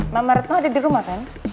mama retno ada di rumah kan